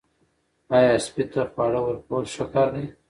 آیا سپي ته خواړه ورکول ښه کار دی؟